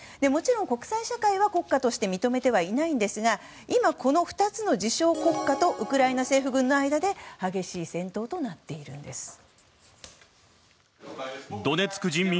もちろん国際社会は国家として認めてはいないんですが今、この２つの自称国家とウクライナ政府軍の間で激しい戦闘となっているんです。